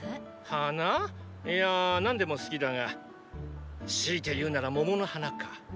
いや何でも好きだが強いて言うなら桃の花か。